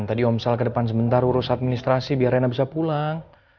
tadi omsel ke depan sebentar urus administrasi biar rena bisa pulang